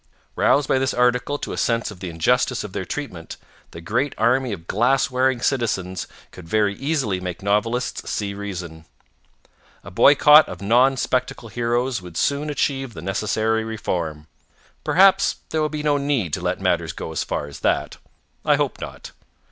Roused by this article to a sense of the injustice of their treatment, the great army of glass wearing citizens could very easily make novelists see reason. A boycott of non spectacled heroes would soon achieve the necessary reform. Perhaps there will be no need to let matters go as far as that. I hope not.